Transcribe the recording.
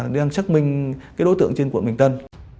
đang xác minh đối tượng trên quận bình tân